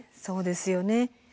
そうですよね。